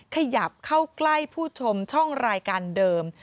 ขยับเข้าใกล้ผู้ชมช่องรายการเดิม